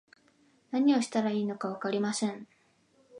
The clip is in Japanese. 何をしたらいいのかわかりません